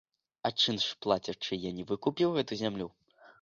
А чынш плацячы, я не выкупіў гэту зямлю?